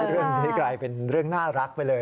เรื่องนี้กลายเป็นเรื่องน่ารักไปเลย